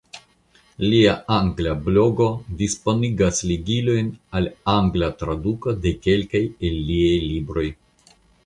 Lia angla blogo disponigas ligilojn al angla traduko de kelkaj el liaj libroj.